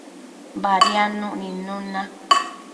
Badiadnuc nidnun na